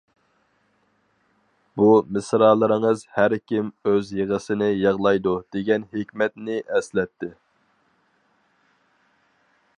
بۇ مىسرالىرىڭىز ھەركىم ئۆز يىغىسىنى يىغلايدۇ دېگەن ھېكمەتنى ئەسلەتتى.